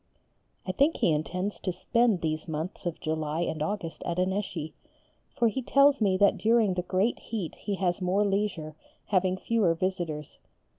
I think he intends to spend these months of July and August at Annecy, for he tells me that during the great heat he has more leisure, having fewer visitors.